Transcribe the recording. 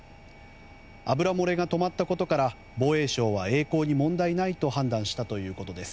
油漏れが止まったことから防衛省はえい航に問題ないと判断したということです。